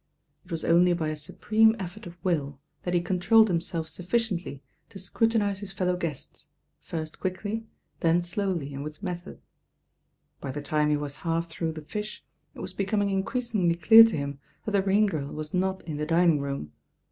It was only by a supreme effort of will Aat he controlled himself sufSciently to ,c™ti.U« WeUow^est,. first quickly, then /owly an^ By the time he was half through the fish, it was becoming increasingly dear to him that thi R^" GrI was not in the dining room.